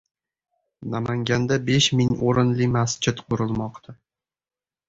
Namanganda besh ming o‘rinli masjid qurilmoqda